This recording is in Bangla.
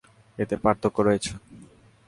এতে পার্থক্য রয়েছে।